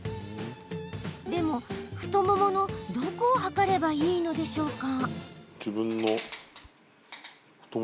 でも、太もものどこを測ればいいのでしょうか？